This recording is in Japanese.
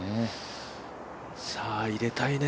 さあ、入れたいね。